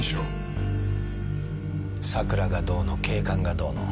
桜がどうの景観がどうの。